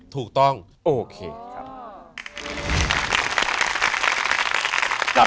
ถูกต้องโอเคครับ